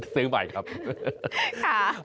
เสียงใหม่ครับค่ะ